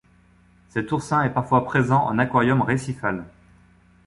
Cet oursin est parfois présent en aquarium récifal.